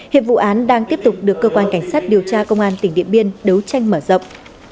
hiện vụ án đang tiếp tục được cơ quan cảnh sát điều tra công an tỉnh điện biên đấu tranh mở rộng